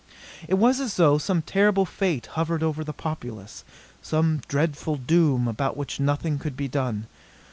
It was as though some terrible fate hovered over the populace, some dreadful doom about which nothing could be done.